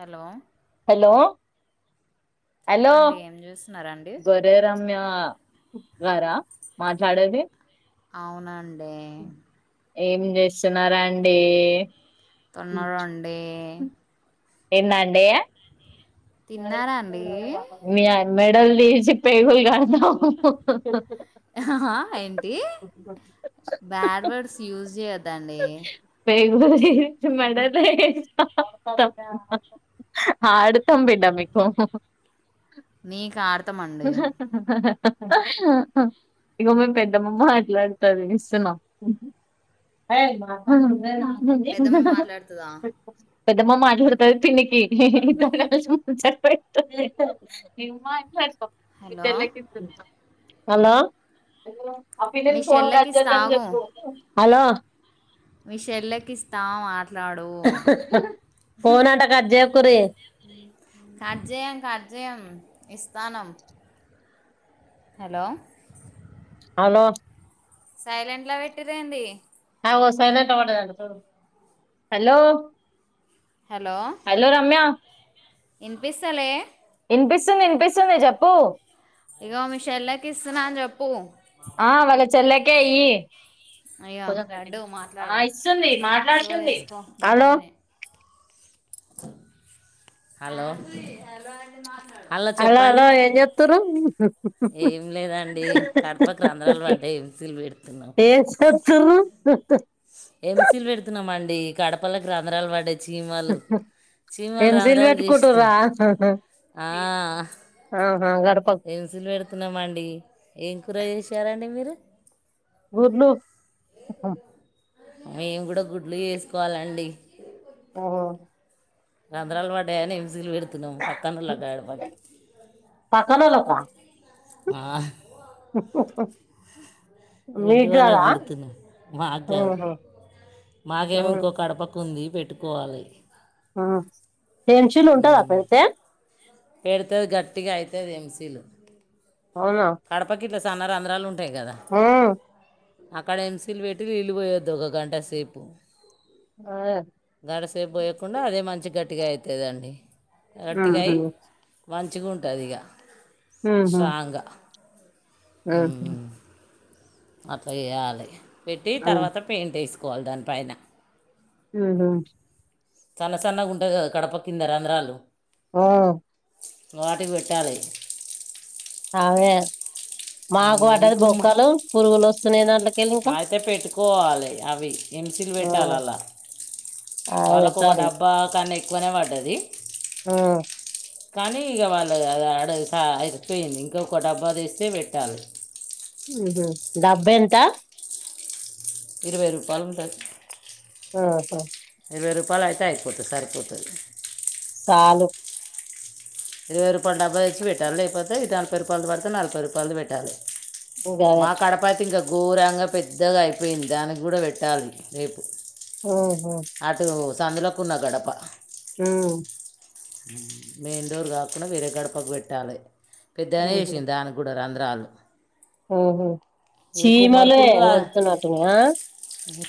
Hello hello hello చెప్పండి ఏం చేస్తున్నారండి జరే రమ్యా గారా మాట్లాడేది అవునండి ఏం జేస్సున్నారండీ తున్నారాండి ఏందండీ తిన్నారా అండి య్య మెడల్ దీచ్చి పైగుల్ కాద్దాం అహ హా ఏంటి బ్యాడ్ వర్డ్స్ యూజ్ చేయద్ దండి మెడలేస్తా [unintelligible] ఆడుతం బిడ్డా మీకు మిక్ అర్తం అండి ఇగో మీ పెద్దమ్మ మాట్లాడుతుంది ఇస్తునా [inaudible] పెద్దమ్మ మాట్లాడుతుందా పెద్దమ్మ మాట్లాడ్తది పిన్నికీ హలో! మీ చెల్లెకి ఇస్తా ఆగు హలో మీ చెల్లకిస్తా మాట్లాడూ ఫోన్ అంట కట్ చేయకుర్రి కట్జయం కట్జయం. ఇస్తానం. హలో! అలో సైలెంట్ల పెట్టింరెంది. హలో! హలో రమ్యా ఇన్పిస్తాలే ఇన్పిస్తుంది ఇన్పిస్తుంది చెప్పు ఇగో మీ చెల్లకిస్తున్నా అన్ చెప్పు చెల్లకే ఈ అయ్యో లడ్డు ఆ మాట్లాడు ఇస్తుంది సో మాట్లాడుతుంది. తీసుకో హలో జల్జల్ని హలో! హలో అలో చెప్పండి అలో ఏం జేత్తుర్రు. ఏం లేదండి కడపకు రంధ్రాలు పడ్డాయి ఎంసీలు పెడుతున్నాం ఏం జేత్తుర్రు ఎంసీల్ పెడ్తున్నామండి కడపలక్ రంధ్రాలు పడ్డాయి చీమలు చీమల్ ఎంసీలు రంధ్రాల్ పెట్టుకుంటుర్రా జేస్తున్నయి. ఆ ఆహా గడప ఏంసీల్ పెడ్తున్నామండి ఏం కూర చేసారండి మీరు గుడ్లు మేం గుడా గుడ్లు చేస్కోవాలండి. ఓ... రంధ్రాల్ పడ్డాయని ఎంసీల్ పెడ్తున్నము పక్కనోల్ల గడపకి పక్కనోళ్ళక రెడ్డి వాళ్లక్ పెడుతున్నాం మాక్ గాదు ఆహా మాకేమో ఇంకో కడపక్ ఉంది పెట్టుకోవాలి. ఏం సీల్ ఉంటద పెడ్తే పెడ్తే గట్టిగయితది ఎంసీలు అవునా కడపకి సన్న రంధ్రాలుం మ్ అక్కడ ఎంసీల్ పెట్టి నీళ్ళు పోయద్దు ఒక గంట సేపు అదే గంట సేప్ పోయకుండా అదే మంచిగ్ గట్టిగ అయితదండి. గట్టిగై ఉహు మంచిగుంటదిగ ఉహు స్ట్రాంగా ఉమ్ ఉహు అట్ల ఏయాలె పెట్టి తర్వాత పెయింట్ ఏస్ కోవల్ దాన్ పైన లేదా సన్న సన్నగుంటది గదా కడప కింద రంధ్రాలు హ వాటి పెట్టాలి అవే మాకు పంటది నీకు బొక్కలు పురుగులు ఒస్తున్నాయిధన్ అయితే పెట్టుకోవాలి అవి ఎంసీల్ పెట్టాల్ అల్ల ఆ అదే వాళ్ళక్ ఒక పెట్టాలి డబ్బా కన్నా ఎక్కువనే వడ్డది. ఆ కానీ ఇగ వాళ్ళ అదాడ ఇంకా ఎల్లిపోయింది ఇంకొక డబ్బా తెస్తే పెట్టాలి. డబ్బెంత? ఇరవై రూపాలు ఉంటాద్ ఆహా ఇరవై రూపాల్ అయితే అయిపోతది సరిపోతది సాలు ఇరవై రూపాల్ డబ్బ తెచ్చి పెట్టాలి లేకపోతే ఇ నల్పాయి రూపాయలు పడితే నల్పాయి రూపాల్ ది వెట్టాలి గదే మా కడపాతి ఇంకా ఘోరంగా పెద్దగా అయిపోయింది దానికి కూడా వెట్టాలి రేపు హ అటు సందులకు ఉన్న గడప ఆ మెయిన్ డోర్ కాకుండా వేరే గడపకు వెట్టాలె పెద్దగానే ఎషిన్ దానికి కూడా రంద్రం రాలు ఉహ చీమలే ఊర్తునటున్నాయా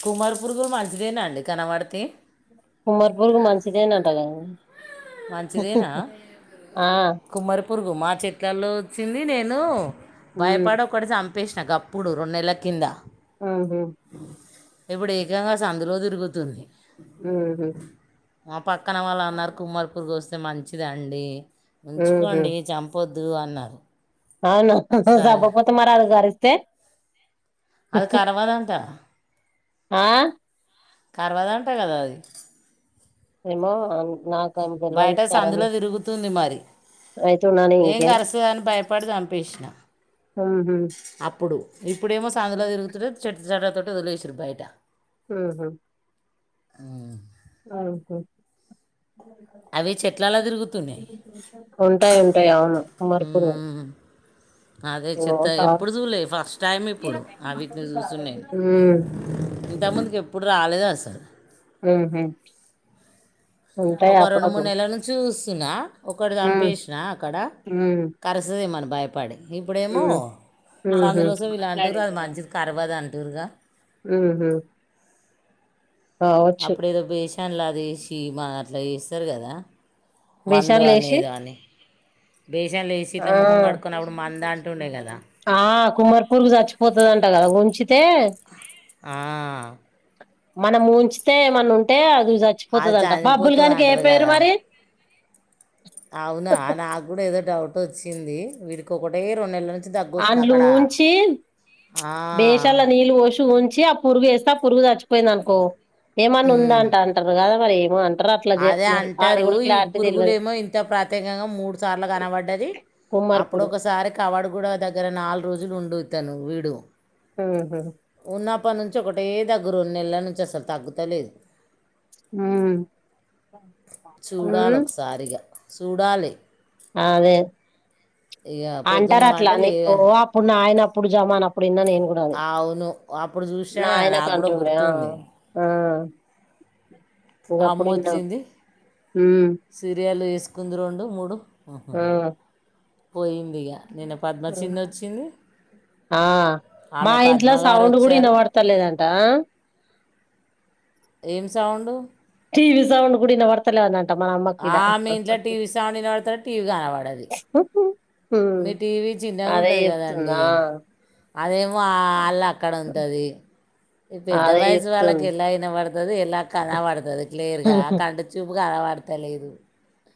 కుమార్ పూర్గుల్ మంచిదేనా అండి కనవాడితే ఉమార్పూర్గు మంచిదే నట కదా మంచిదేనా ఆ కుమరి పురుగు మా చెట్కల్లో ఓచ్చింది నేను హ్మ్ భయపడ ఒకటి సం పేసిన గప్పుదు రెండు నెల్ల కింద మ్మ్ ఇప్పుడు ఏకంగా సందులో తిరుగుతుంది మ్మ్ మా పక్కన వాళ్ అన్నర్ కుమార్పూ సుసే మంచిద్ అండి హుహు ఉంచుకోండి చంపొద్ దు అన్నార్ అవునా సంపాపోతే మరి అవి గారిస్తే అది కర్వాదంట ఆ కర్వాదంట కదా అది ఏమో నాక్ బయట సందులో తీర్గుతుంది మరి అయితున్నాని ఎం ఇంకేం కరుస్తదని బయి పడి సంపేస్నా ఆహా ఇప్పుడేమో సందుల తీర్గుతుంటే చేత చట్టాతో ఒదిలేసిర్ బాయటా మ్మ్ మ్ మ్మ్ అవి చెట్లలా తీర్గుతున్నాయి ఎ అవును కుమారీపూరు అదే చెత్త ఎప్పుడు చూలే ఫస్ట్ టైం ఇప్పుడు అవిత్ని సూసుడు నేన్ హ్మ్ ఇంత ముందుకి ఎప్పుడు రాలేదు అసల్ మ్మ్ ఒక్క రెండు మూడు నెల్ల నుంచి చూసునా ఒకటి హ్మ్ చంపేసినా అక్కడ హ్మ్ కరుసదేమని భయపడి ఇప్పుడేమో హ్మ్ హుహు. సందులో సువిల్ అంటురు అది మంచిది కరవద్ అంటూరుగా ఉ హు అప్పుడేదో బేషన్ల అదేశి మా అట్లా ఎసరు కదా మందు విషాలు అనే లేసి దాని ఆ అప్పుడు మంద అంటుండే కదా ఆ కుమార్ పురుకు చచ్చిపోతుందింట కదా ముంచితే ఆ మనం ముంచితే ఏమన్న ఉంటే అది అది చచ్చిపోతుదంట చనిపోతుంది బబ్బులుగానికి ఎం అంటారు పేరు కదా మరి అవునా నాకుడా ఏదో డౌట్ వచ్చింది వీరికి ఒకటె రెండు నెల ను ఆండ్లో ఉంచి డేషాల నీళ్ళు పోసి ఊం చ్చి ఆ పురుగు ఎస్తే ఆ పురుగు చచ్చిపోయింది అనుకో ఏమన్నా ఉందా అంట అంటారు కదా మరి ఏమో అన్ అదే అంటారు ఈ పురుగులు తెల్వదు. ఏమో ఇంత ప్రత్యేకంగా మూడు సార్లు కనబడ్డది కుమ్మరి అప్పుడు పురుగు. ఒకసారి కవాడ కూడా దగ్గర నాలుగు రోజులు ఉండు తను వీడు ఉ హు అప్పటి నుంచి ఒకటే దగ్గురు నెల నుంచి అసలు తగ్గుతలేదు ఉమ్ చూడాలి ఉమ్, ఒకసారిగా చూడాలి ఆమె ఇక పొద్దున అంటరు అట్లా అంటే అని లే ఓ అప్పుడు నాయినా నప్పుడు జమా అనప్పుడు ఇన్నా నేను కూడా అది అవును అప్పుడు చూసినా కదా నాయినకు నాకు కూడా అంటుండే ఆ గుర్తుంది ఆ ఇంక అమ్మ అప్పుడు విన్నాం వచ్చింది ఉమ్, సీరియల్ చుస్ కుందు రెండు మూడు ఆ పోయింది ఇగ నిన్న ఆ. పద్మచిన్న వచ్చింది ఆ మా ఆమె పద్మ ఇంట్లో గారు సౌండ్ కూడా వచ్చారు ఇనబడత లేదంటా ఏం సౌండు టీ వి సౌండ్ కూడా వింబడ్తలేదు అన్నన్ ఆమె ఇంట్లో టీవీ సౌండ్ వినబడతాది టీవీ కానవాడది ఉమ్, మీ టీవీ అదే చిన్నగుంటది కదా అండి చెప్తుందా అదేమో ఆల లో అక్కడ ఉంటది ఈ పెద్ద అదే వయసు వాళ్ళకి చెప్తుంది ఎలా విన్న పడుతది ఎ ఇలా కన పడుతంది క్లియర్ గా కంటి చూపు కన్నా పడతా లేదు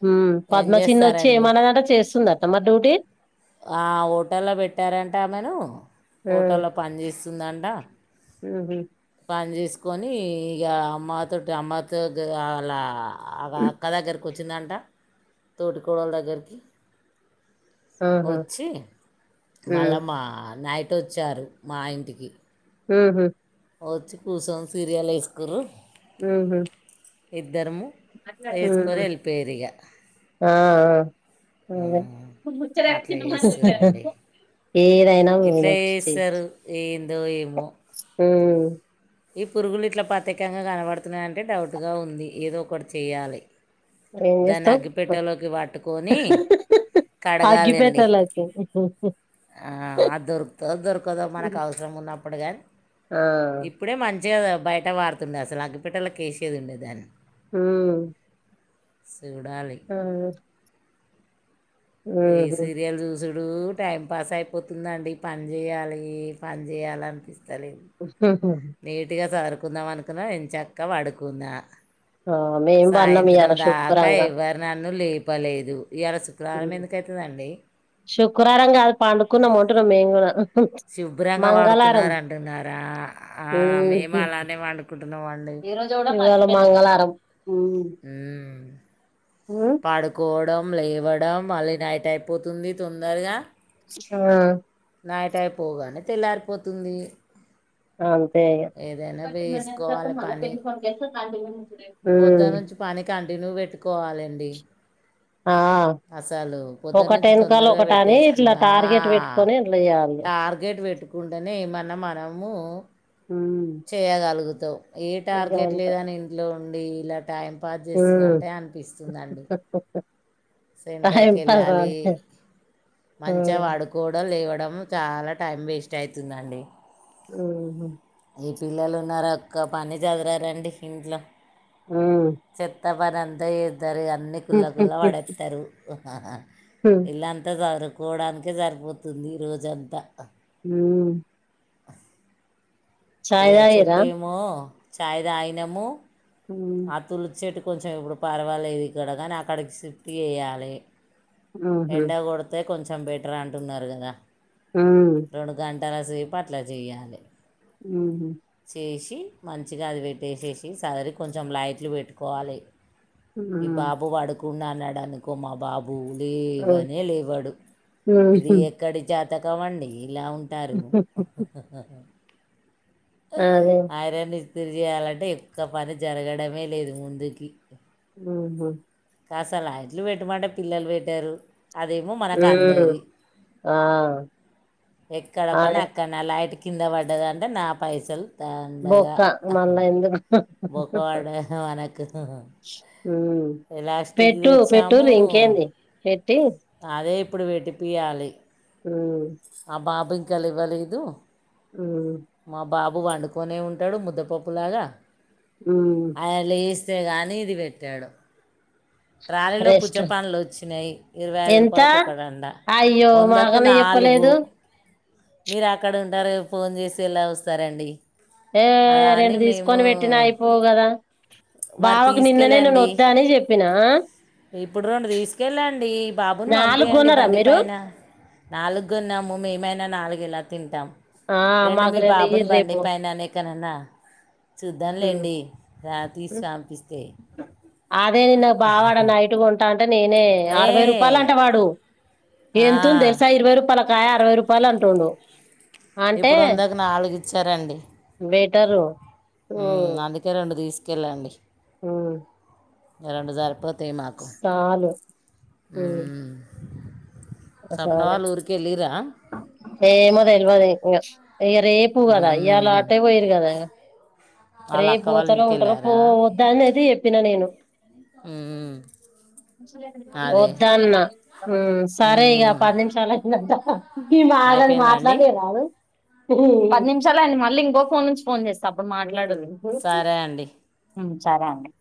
ఉమ్ పద్మచిన్న వచ్చి ఏమన్నాదంట చేస్తుంద అత్తమ్మ డ్యూటీ ఆ హోటల్లో పెట్టారంట ఆమెను హోటోల్లో డ్యూటీ పని చేస్తుందంట పని చేస్ కొని ఇగ అమ్మతోటి అమ్మతో అలా అక్క దగ్గర వచ్చిందంట తోటి కోడలు దెగర కి ఆహా! వచ్చి హ్మ్. మళ్ళా మా నైట్ వచ్చారు మా ఇంటికి ఉ హు వచ్చి కూర్చొని సీరియల్ ఎస్కురు ఉ హు ఇద్దరము వేసుకొని వెళ్ళిపోయారు ఇగ అట్లా ఏ ఎట్లా చేస్తారు ఏందో ఏమో హ్మ్. ఈ పురుగులు ఇట్లా ప్రత్యేకంగా కనబడుతున్నాయంటే డౌట్గా ఉంది ఏదో ఒకటి చేయాలి ఎం దాన్ని చేస్తావు అగ్గిపెట్టెలోకి పట్టుకొని అగ్గిపేట్టలకి ఆ అది దొరుకుతదొరకదో మనకు హుహు. అవసరం ఉన్నప్పుడు గా ఆ బయట వాడుతుండే అసలు అగ్గి పెట్టలకి వేసేది ఉండే దాన్ని ఉమ్ చూడాలి ఈ హుహు. సిరియల్ చూసుడ్ రోజు టైం పాస్ అయిపోతుందండి పని చేయాలి పని చేయాలనిపిస్ నీటుగా సారుకుందాం అనుకున్నా ఎంచ్చక్క పండుకున్న ఔన్ సాయంత్రం దాకా ఎవరు నన్ను లేపలేదు ఇయాల శుక్రావారం హ్మ్. ఎందుకైతదండి శుక్రారం గాదు పండుకున్నాం అంటున్నా మేము గూడా. శుభ్రంగా వడుకున్న మంగళారం. అంటున్నారా ఆ మేము అలానే వండుకుంటున్నాం అండి ఇయాళ మంగళవారం హుమ్ ఉమ్ పడుకోవడం లేవ డం మళ్ళీ నైటైపోతుంది తొందరగా చ్ ఆ నైటైపోగానే తెల్లారిపోతుంది ఆంతే ఏదైనా ఇగ వేసుకోవాలి పొద్ద నుంచి పని కంటిన్యూ పెట్టుకోవాలండి ఆ అసలు పోద్ద ఒకటి నుంచి వెనకాల తొందరగా ఒకటి అని ఇట్లా పెట్టేస్కుంన్నా అ టార్గెట్ పెట్టుకొని ఇట్లా చేయాలి టార్గెట్ పెట్ కుంటేనే ఎమన్నా మనము ఉమ్ చేయగలుగ్ త్ ఏ టార్గెట్ గంతే లేదని ఇంట్లో ఉండి ఇలా టైం పాస్ ఉమ్ చేస్తున్నట్టే అనిపిస్తుందండి టైం పాస్ సెంటర్కేళ్ళాలి అంతే మంచిగా ఉమ్ పడుకోవడం లేవ డం చాలా టైం వేస్టయితుందండి మ్ హూ ఈ పిల్లలున్నారోక్క పని జదురారండి ఇంట్లో మ్ పనంత చేత్ తార్ ఇగ అన్ని కుళ్ళ కుల్లా పడేత్తరు ఇల్లాంతా సదుర్ పోవడానికే సరిపోతుంది ఈ రోజంతా హూమ్ ఇగ తాగిర్రా చెట్టేమో చాయ్ తాగినము ఉమ్, ఆ తుల్చెట్టుకు కొంచెం ఇప్పుడు పర్వాలేదు ఇక్కడ కానీ అక్కడ్కి షిఫ్ట్ చేయ్యలి ఉహు ఎండగొడితే కొంచెం బెటర్ అంటున్నారు కదా ఆ తనసేపట్లా చెయ్యాలి మ్ హు చేసి మంచిగా అది పెట్టేసేసి సర్ది కొంచెం లైట్లు పెట్టుకోవాలి ఉమ్ ఈ ఉమ్ బాబు పడుకుండనుకో మా బాబ్ బు లేవనే లేవాడు ఇది ఉహు ఎక్కడి జాతకమండి ఇలా ఉంటారు అదే ఆరే ని తిరిచెయాలంటే ఎక్కువ పని జరగడమే లేదు ముందుకి మ్ హు కాస్త లైట్లు పెట్టమంటే పిల్లలు పెట్టారు అదేమో మనకందది ఉమ్ ఆ ఎక్కడ పని అదే అక్కన్నే లైట్ కింద పడ్డదంటే నా పైసల్ బోక్కా మళ్ళా ఎందు బొక్కపడ్డద్ మనకు హుమ్ ఎలాస్టిక్ పెట్టు తెచ్చాము పెట్టురింకేంది పెట్ అదే ఇప్పుడు పెట్టి పియ్యలి హూమ్ కా లెవ్వలేదు ఆ బాబు వండుకొనే ఉంటాడు ముద్దపప్పులాగా ఉమ్ ఆయన లేస్ తేగాని ఇది పెట్టాడు ట్రాలీలో పుచ్చ రెస్ట్ పండ్లోచ్చినాయి. ఇరవై ఐదు ఎంత రూపాలకోక్కటంట వందకు నాలుగు లెదు మీరు అక్కడ ఉంటరు ఫోన్ చేసే ఎలా వస్తారండి ఏ అలా అని రెండు మేము తీసుకొని పెట్టినా అయిపోవు గదా మరి బావకి నిన్ననే తీసుకెళ్ళండి నెనోద్దని జేప్పిన ఇప్పుడు రెండు తీసుకెళ్ళండి. బాబుని నాలుగు పంపియండి కొనరా బండి మీరు పైన. నాలుగొన్నాము మేమైనా నాలుగెలా ఆ రెండు మాకు మీ బాబుని ఇయ్యిర్రి బండి రేపు పైన నీకనన్నా ఉమ్ చూద్దాంలేండి రాతీస్ ఉమ్. పంపిస్తే అదే నిన్న బావాడ నైటు గొంటా అంటే నేనే ఏ అరవై రూపాయలంట వాడు ఆ, ఎంతుంది తెలుసా. ఇరవై రూపాయల కాయ అరవై రూపాయలు అంటుండు. అంటే ఇప్పుడు వందకి నాలుగు ఇచ్చారండి. టరు మ్ అందుకే రెండు తీసుకెళ్ళండి. ఉ రెండు సరిపోతయ్ మాకు మ్ సప్న ఒకసారే వాళ్ళు ఊరికి వెళ్ళిరా ఏమో తెల్వదు ఇ ఇంగ ఇగ రేపు గదా ఇయలా ఆటే పోయిరు గదా ఇగ రే వాళ్ళ అక్క వాళ్ళ పోతరొ ఇంటికి ఉంటరొ వెళ్ళారా పోవొద్ద నైతే చెప్పిన నేను అదే ఒద్దన్న హ్మ్ సరే ఇగ పది నిమిషాలు అయిందంత గీ మాగని అయిపోయిందా అండి మాట్లాడనియ రాదు. పది నిమిషాలు అయింది. మళ్ళి ఇంకొ ఫోన్ నుంచి ఫోన్ చేస్త అప్పుడు మాట్లాడు సరే అండి హ్మ్ సరే అండి